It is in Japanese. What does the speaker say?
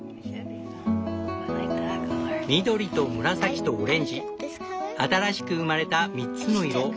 緑と紫とオレンジ新しく生まれた３つの色。